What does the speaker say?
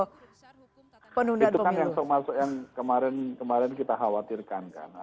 itu kan yang semaksud yang kemarin kita khawatirkan kan